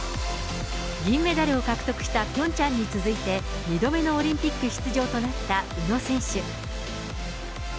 銀メダルを獲得したピョンチャンに続いて、２度目のオリンピック出場となった宇野選手。